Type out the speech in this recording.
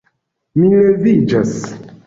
Mi leviĝas.